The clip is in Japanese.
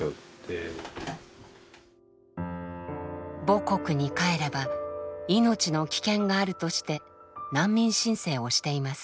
母国に帰れば命の危険があるとして難民申請をしています。